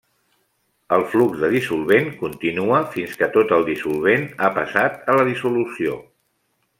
El flux de dissolvent continua fins que tot el dissolvent ha passat a la dissolució.